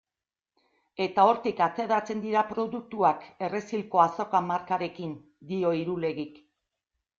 Eta hortik ateratzen dira produktuak Errezilgo Azoka markarekin, dio Irulegik.